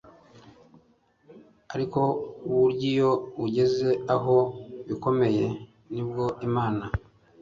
ariko bury iyo ugeze aho bikomeye nibwo Imana